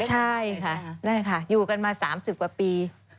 ใช่ค่ะอยู่กันมา๓๐กว่าปี